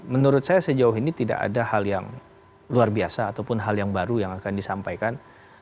menurut saya sejauh ini tidak ada hal yang luar biasa ataupun hal yang baru yang akan disampaikan